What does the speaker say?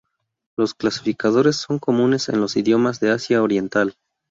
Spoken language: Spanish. Los clasificadores son comunes en los idiomas de Asia oriental.